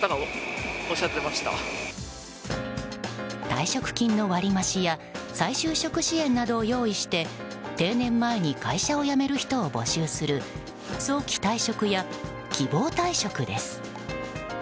退職金の割り増しや再就職支援などを用意して定年前に会社を辞める人を募集する早期退職や希望退職です。